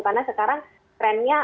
karena sekarang trennya